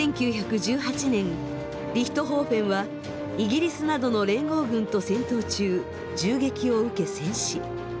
１９１８年リヒトホーフェンはイギリスなどの連合軍と戦闘中銃撃を受け戦死。